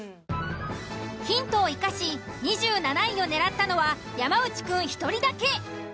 ヒントを生かし２７位を狙ったのは山内くん１人だけ。